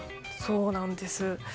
そうなんです。